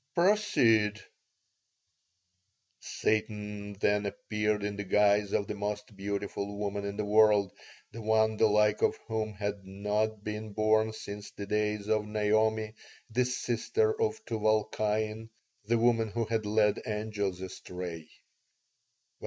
"'Proceed.' "Satan then appeared in the guise of the most beautiful woman in the world, of one the like of whom had not been born since the days of Naomi, the sister of Tuval Cain, the woman who had led angels astray.